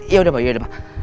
yaudah ma yaudah ma